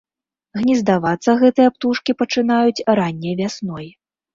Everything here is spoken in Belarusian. Гнездавацца гэтыя птушкі пачынаюць ранняй вясной.